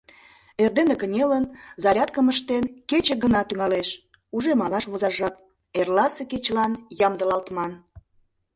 Эрдене кынелын, зарядкым ыштен, кече гына тӱҥалеш — уже малаш возаш жап, эрласе кечылан ямдылалтман.